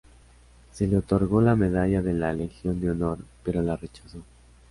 Se le otorgó la medalla de la Legión de Honor, pero la rechazó.